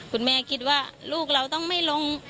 คุณแม่คิดว่าลูกเราต้องไม่ลง